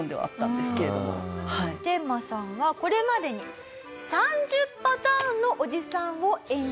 テンマさんはこれまでに３０パターンのおじさんを演じられてきました。